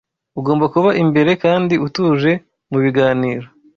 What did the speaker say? Ugomba kuba imbere kandi utuje mu biganiro